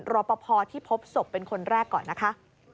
รอปภที่พบศพเป็นคนแรกก่อนนะคะ